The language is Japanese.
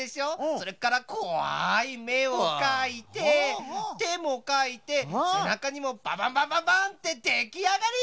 それからこわいめをかいててもかいてせなかにもバンバンバンバンバンってできあがり！